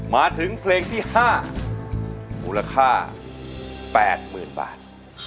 มาถึงเพลงที่ห้ามูลค่าแปดหมื่นบาท